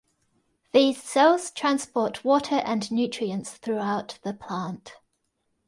These cells transport water and nutrients throughout the plant.